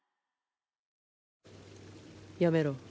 やめろ。